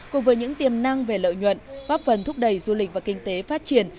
cùng với những tiềm năng về lợi nhuận góp phần thúc đẩy du lịch và kinh tế phát triển